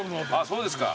そうですか。